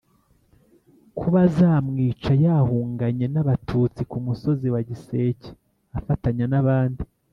Ko bazamwica yahunganye n abatutsi ku musozi wa giseke afatanya n abandi